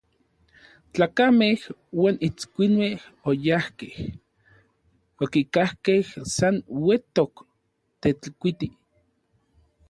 Tlakamej uan itskuimej oyajkej, okikajkej san uetok Tetlikuiti.